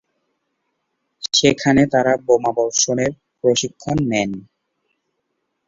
সেখানে তারা বোমাবর্ষণের প্রশিক্ষণ নেন।